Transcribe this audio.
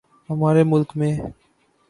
ہمارے ملک میں